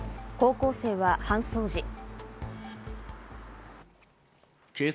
高校生は搬送時。